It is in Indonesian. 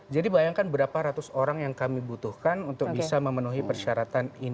jadi bayangkan berapa ratus orang yang kami butuhkan untuk bisa memenuhi persyaratan ini